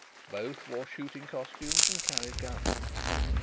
Both wore shooting costumes and carried guns.